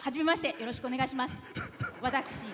よろしくお願いします。